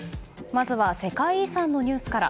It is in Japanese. まずは世界遺産のニュースから。